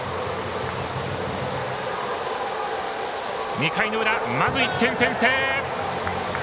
２回の裏、まず１点先制！